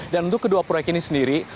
dan untuk kedua proyek ini sendiri